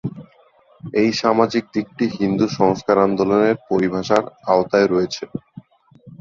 এই সামাজিক দিকটি হিন্দু সংস্কার আন্দোলনের পরিভাষার আওতায় রয়েছে।